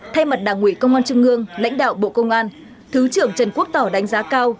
thay mặt đảng ủy công an trung ương lãnh đạo bộ công an thứ trưởng trần quốc tỏ đánh giá cao